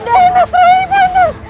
ayah saya terlalu panas